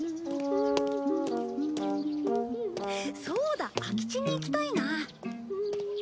そうだ空き地に行きたいな。